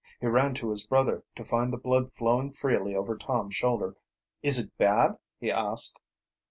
He ran to his brother, to find the blood flowing freely over Tom's shoulder. "Is it bad?" he asked.